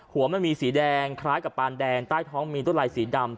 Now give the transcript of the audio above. หัวมันมีสีแดงคล้ายกับปานแดงใต้ท้องมีต้นลายสีดำ